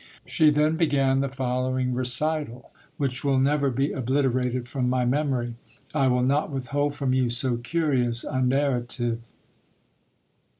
She then began the following recital, which will never be obliterated from my memory. I will not withhold from you so curious a narrative.